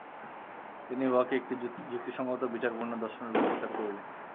তিনি উহাকে একটি যুক্তিসঙ্গত বিচারপূর্ণ দর্শনরূপে প্রচার করিলেন।